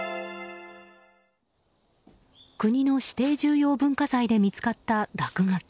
国の指定重要文化財で見つかった落書き。